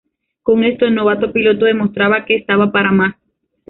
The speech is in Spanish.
Con esto, el novato piloto demostraba que estaba para más.